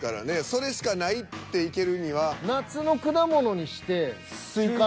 それしかないっていけるには。